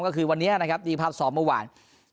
ก็คือวันนี้นะครับนี่ภาพซ้อมเมื่อวาน